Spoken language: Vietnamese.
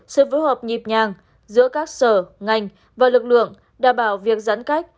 sự phối hợp nhịp nhàng giữa các sở ngành và lực lượng đảm bảo việc giãn cách